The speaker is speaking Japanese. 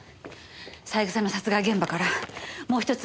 三枝の殺害現場からもう一つ